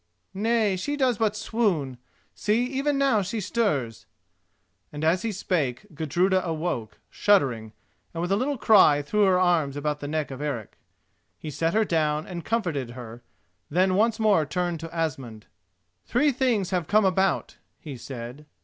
"Nay, she does but swoon. See, even now she stirs," and as he spake Gudruda awoke, shuddering, and with a little cry threw her arms about the neck of Eric. He set her down and comforted her, then once more turned to Asmund: "Three things have come about," he said.